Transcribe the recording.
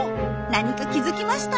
何か気付きました？